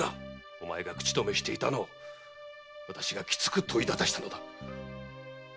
お前が口止めしていたのを私がきつく問いただしたのだ。